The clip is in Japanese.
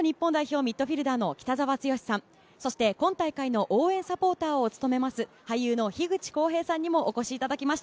ミッドフィルダーの北澤豪さん、今大会の応援サポーターを務めます、俳優の樋口幸平さんにもお越しいただきました。